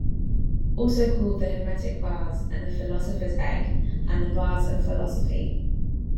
Also called the Hermetic Vase, the Philosopher's Egg, and the Vase of the Philosophy.